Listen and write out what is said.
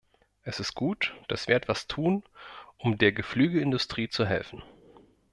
Es ist gut, dass wir etwas tun, um der Geflügelindustrie zu helfen.